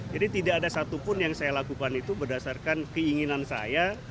jadi tidak ada satupun yang saya lakukan itu berdasarkan keinginan saya